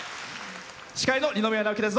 司会の二宮直輝です。